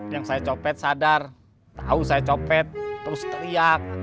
yang saya copet sadar tahu saya copet terus teriak